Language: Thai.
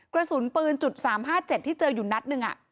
กระสุนปืน๓๕๗ที่เจออยู่นัดหนึ่ง